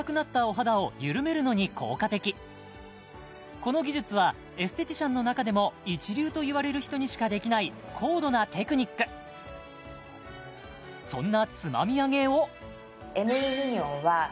この技術はエステティシャンの中でも一流といわれる人にしかできない高度なテクニックそんな